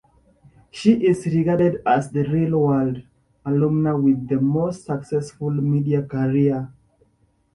She is regarded as the "Real World" alumna with the most successful media career.